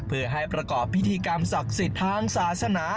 เพื่อให้ประกอบพิธีกรรมศักดิ์สิทธิ์ทางศาสนา